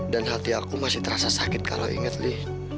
dan hati aku masih terasa sakit kalau inget li